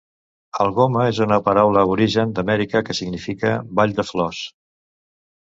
"Algoma" és una paraula aborigen d'Amèrica que significa "vall de flors".